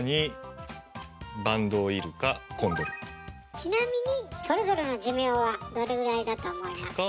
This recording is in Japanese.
ちなみにそれぞれの寿命はどれぐらいだと思いますか？